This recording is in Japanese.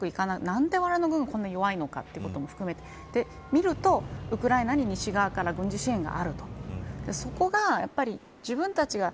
何で、われわれの軍はこんなに弱いのかというのも含めて見るとウクライナに西側から軍事支援があると。